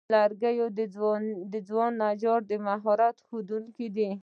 لرګی د ځوان نجار د مهارت ښکارندوی دی.